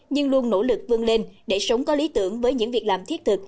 nhưng luôn nỗ lực vươn lên để sống có lý tưởng với những việc làm thiết thực